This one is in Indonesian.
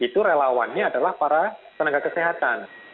itu relawannya adalah para tenaga kesehatan